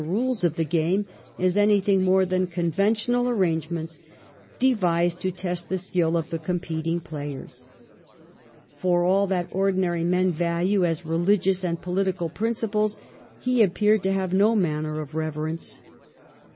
347 rules of the game as anything more than conven tional arrangements devised to test the skill of the competing players. For all that ordinary men value as religious and political principles he appeared to have no manner of reverence.